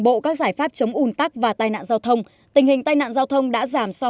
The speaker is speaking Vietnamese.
bộ các giải pháp chống un tắc và tai nạn giao thông tình hình tai nạn giao thông đã giảm so